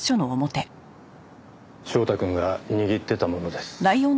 翔太くんが握ってたものです。